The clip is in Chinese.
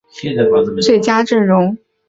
他同时也入选了欧洲联赛的赛季最佳阵容。